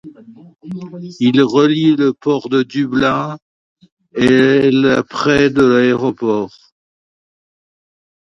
Il relie le port de Dublin et l' près de l'aéroport.